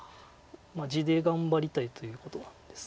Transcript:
まあ地で頑張りたいということなんです。